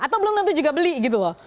atau belum tentu juga beli gitu loh